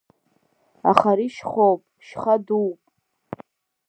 Аха ари шьхоуп, шьха дууп…